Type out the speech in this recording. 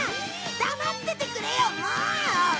黙っててくれよもうっ！